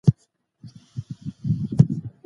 د تبې پر مهال ډېرې اوبه وڅښه